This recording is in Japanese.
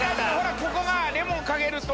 ここがレモンかけると。